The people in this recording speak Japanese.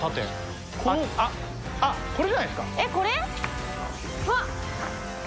えっこれ？